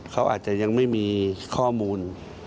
เขาอาจจะยังไม่มีข้อมูล